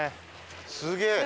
すげえ！